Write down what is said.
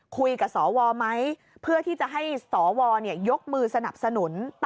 คุยกับสวไหมเพื่อที่จะให้สวยกมือสนับสนุน